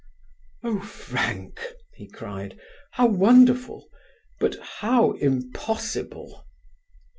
"Oh, Frank," he cried, "how wonderful; but how impossible!"